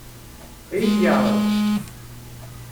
Ad iyi-t-yeɛṛeḍ?